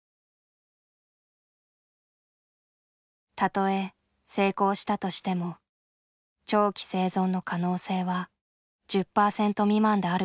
たとえ成功したとしても長期生存の可能性は１０％未満であることが記されていた。